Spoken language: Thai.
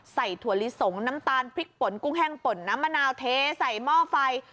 ถั่วลิสงน้ำตาลพริกป่นกุ้งแห้งป่นน้ำมะนาวเทใส่หม้อไฟ